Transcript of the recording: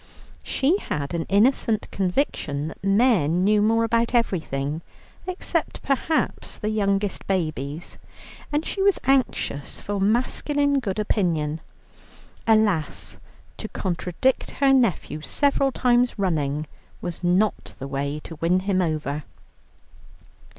She had an innocent conviction that men knew more about everything, except perhaps the youngest babies, and she was anxious for masculine good opinion. Alas, to contradict her nephew several times running was not the way to win him over.